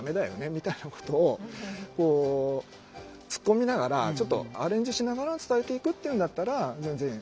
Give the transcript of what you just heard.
みたいなことをツッコミながらちょっとアレンジしながら伝えていくっていうんだったら全然ありかなとは。